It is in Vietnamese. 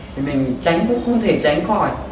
thì mình tránh cũng không thể tránh khỏi